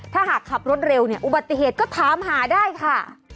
ถ้าหากขับรถเร็วเนี่ยอุบัติเหตุก็ถามหาได้ค่ะ